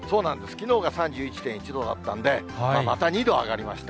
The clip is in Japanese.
きのうが３３．１度だったんで、また２度上がりました。